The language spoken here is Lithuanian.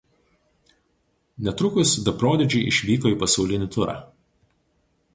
Netrukus „The Prodigy“ išvyko į pasaulinį turą.